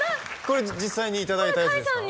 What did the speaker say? これ実際にいただいたやつですか？